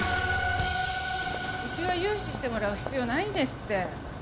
うちは融資してもらう必要ないんですって。